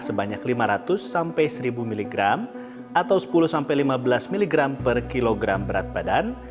sebanyak lima ratus seribu mg atau sepuluh lima belas mg per kg berat badan